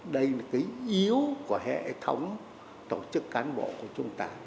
đây là cái yếu của hệ thống tổ chức cán bộ của chúng ta